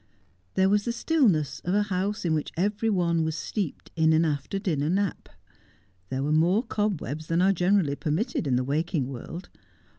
There was the stillness of a house in which every one was steeped in an after dinner nap. There were more cobwebs than are generally permitted in the waking world.